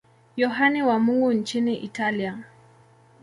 Yohane wa Mungu nchini Italia.